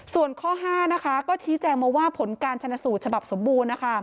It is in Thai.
ส่วนข้อ๕ก็ชี้แจงมาว่าผลการชนสูตรฉบับสมบูรณ์